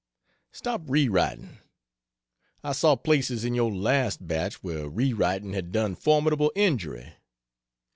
Stop re writing. I saw places in your last batch where re writing had done formidable injury.